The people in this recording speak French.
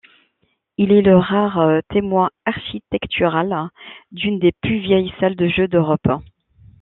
Il est le rare témoin architectural d’une des plus vieilles salles de jeux d’Europe.